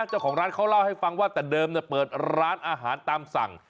เจ้าของร้านเขาเล่าให้ฟังว่าแต่เดิมเปิดร้านอาหารตามสั่ง